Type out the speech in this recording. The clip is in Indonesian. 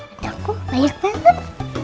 ada aku banyak banget